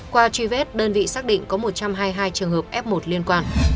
qua truy vết đơn vị xác định có một trăm hai mươi hai trường hợp f một liên quan